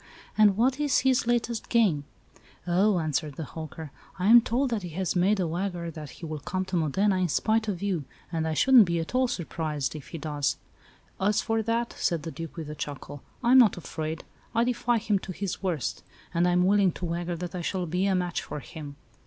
And what is his latest game?" "Oh," answered the hawker, "I am told that he has made a wager that he will come to Modena, in spite of you; and I shouldn't be at all surprised if he does!" "As for that," said the Duke, with a chuckle, "I am not afraid. I defy him to do his worst; and I am willing to wager that I shall be a match for him.